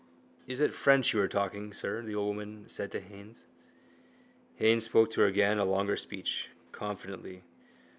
—Is it French you are talking, sir? the old woman said to Haines. Haines spoke to her again a longer speech, confidently.